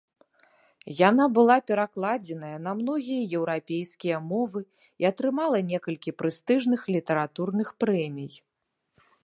Яна была перакладзеная на многія еўрапейскія мовы і атрымала некалькі прэстыжных літаратурных прэмій.